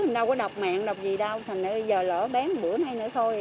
đâu có đọc mạng đọc gì đâu thành ra giờ lỡ bán một bữa nay nữa thôi